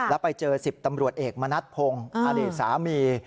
แล้วไปเจอ๑๐ตำรวจเอกมณัฐพงศ์อดีตสามี